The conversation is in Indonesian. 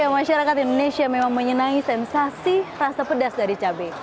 masyarakat indonesia memang menyenangi sensasi rasa pedas dari cabai